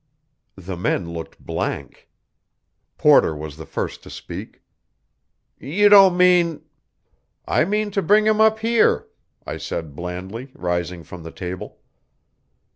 The men looked blank. Porter was the first to speak. "You don't mean " "I mean to bring him up here," I said blandly, rising from the table.